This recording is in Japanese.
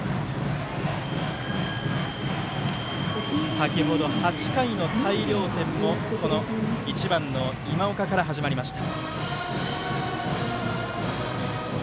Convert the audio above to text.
先ほど８回の大量点も１番の今岡から始まりました。